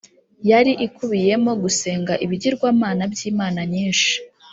yari ikubiyemo gusenga ibigirwamana by’imana nyinshi